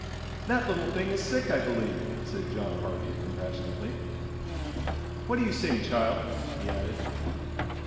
"That little thing is sick, I believe," said John Harvey, compassionately. "What do you sing, child?" he added.